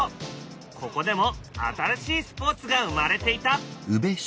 ここでも新しいスポーツが生まれていた。